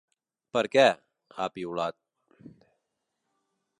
Per què?, ha piulat.